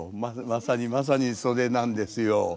まさにまさにそれなんですよ。